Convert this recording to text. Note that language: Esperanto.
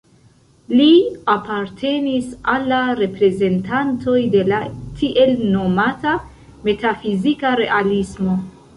Li apartenis al la reprezentantoj de la tiel nomata "metafizika realismo".